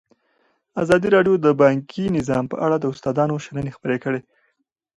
ازادي راډیو د بانکي نظام په اړه د استادانو شننې خپرې کړي.